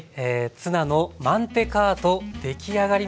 ツナのマンテカート出来上がりました。